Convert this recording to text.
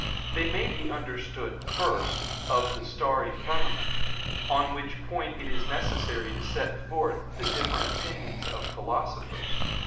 They may be understood, first, of the starry firmament, on which point it is necessary to set forth the different opinions of philosophers.